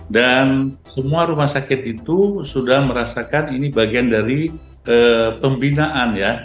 semua rumah sakit itu sudah merasakan ini bagian dari pembinaan ya